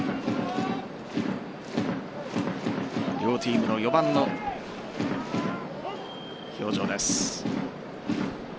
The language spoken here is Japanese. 両チームの４番の表情です。